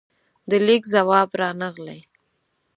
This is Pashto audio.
د لیک ځواب رانغلې